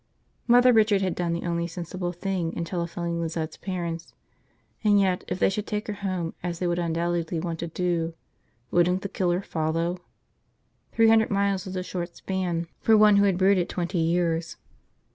Mother Richard had done the only sensible thing in telephoning Lizette's parents. And yet, if they should take her home as they would undoubtedly want to do, wouldn't the killer follow? Three hundred miles was a short span for one who had brooded twenty years.